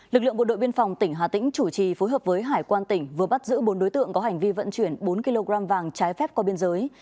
lực lượng bộ đội biên phòng tỉnh hà tĩnh chủ trì phối hợp với hải quan tỉnh vừa bắt giữ bốn đối tượng có hành vi vận chuyển bốn kg vàng trái phép qua biên giới